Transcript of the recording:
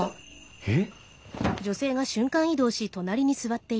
えっ？